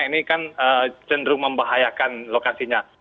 ini kan cenderung membahayakan lokasinya